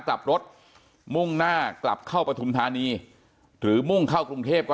กลับรถมุ่งหน้ากลับเข้าปฐุมธานีหรือมุ่งเข้ากรุงเทพก็